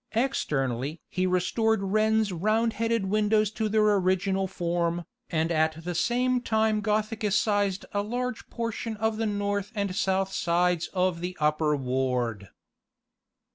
Externally he restored Wren's round headed windows to their original form, and at the same time gothicized a large portion of the north and south sides of the upper ward.